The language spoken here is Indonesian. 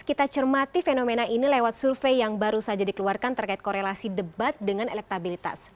kita cermati fenomena ini lewat survei yang baru saja dikeluarkan terkait korelasi debat dengan elektabilitas